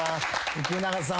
福永さん